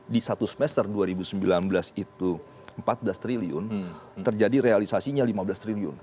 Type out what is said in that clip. di satu semester dua ribu sembilan belas itu rp empat belas terjadi realisasinya rp lima belas